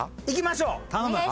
いきましょう。